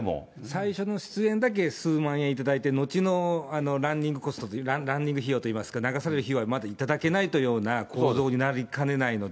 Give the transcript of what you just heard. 最初の出演だけ数万円頂いて、後のランニングコストというか、ランニング費用といいますか、流される費用まで頂けないというような構造になりかねないので。